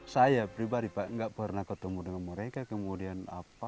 saya pribadi pak nggak pernah ketemu dengan mereka kemudian apa